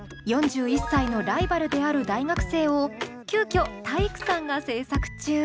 ４１歳のライバルである大学生を急きょ体育さんが制作中。